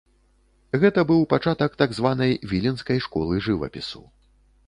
Гэта быў пачатак так званай віленскай школы жывапісу.